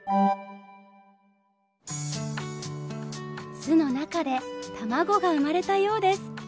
巣の中で卵が生まれたようです。